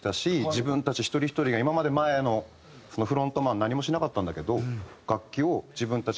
自分たち一人ひとりが今まで前のフロントマン何もしなかったんだけど楽器を自分たちで弾く。